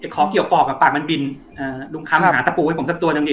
ขอเกี่ยวปอกปากมันบินลุงคำหาตะปูให้ผมสักตัวหนึ่งดิ